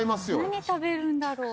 何食べるんだろう？